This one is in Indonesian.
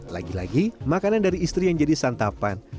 lagi lagi makanan dari istri yang jadi santapan